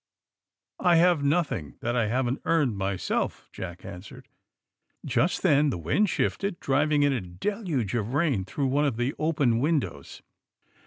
*^I have nothing that I haven't earned my self," Jack answered. Just then the wind shifted, driving in a del uge of rain through one of the open windows.